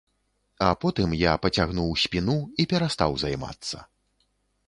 А потым я пацягнуў спіну і перастаў займацца.